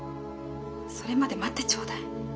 それまで待ってちょうだい。